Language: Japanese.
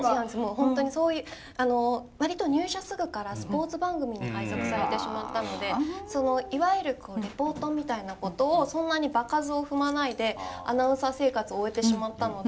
本当にそういうあの割と入社すぐからスポーツ番組に配属されてしまったのでいわゆるリポートみたいなことをそんなに場数を踏まないでアナウンサー生活を終えてしまったので。